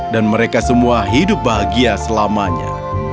dan mereka semua hidup bahagia selamanya